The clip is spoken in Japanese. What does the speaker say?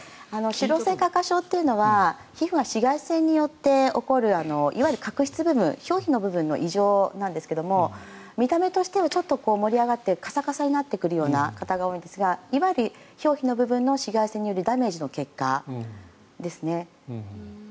脂漏性角化症というのは皮膚が紫外線によって起こるいわゆる角質部分表皮の部分の異常なんですが見た目としては盛り上がってカサカサになってくるような方が多いんですがいわゆる表皮の部分の紫外線によるダメージの結果ですね。